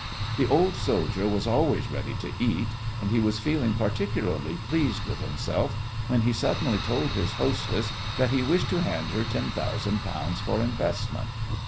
The old soldier was always ready to eat, and he was feeling particularly pleased with himself, when he suddenly told his hostess that he wished to hand her ten thousand pounds for investment.